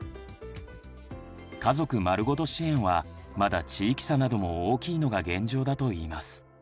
「家族まるごと支援」はまだ地域差なども大きいのが現状だといいます。